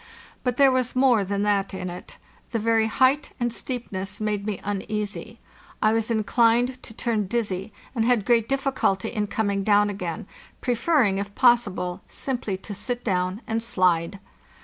But there was more than that in it; the very height and steep ness made me uneasy; I was inclined to turn dizzy, and had great difficulty in coming down again, preferring, if possible, simply to sit down and slide.